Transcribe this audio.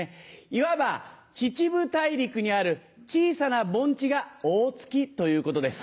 いわば秩父大陸にある小さな盆地が大月ということです。